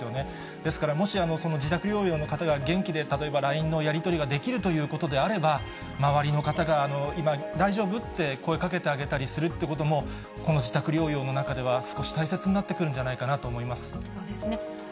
ですからもし、その自宅療養の方が元気で、例えばＬＩＮＥのやり取りができるということであれば、周りの方が今、大丈夫？って声かけてあげたりするってことも、この自宅療養の中では、大切になってくるんじゃないかなと思いまそうですね。